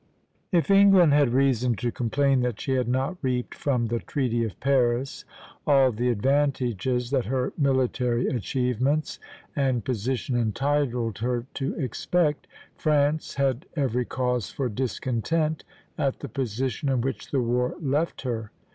If England had reason to complain that she had not reaped from the Treaty of Paris all the advantages that her military achievements and position entitled her to expect, France had every cause for discontent at the position in which the war left her.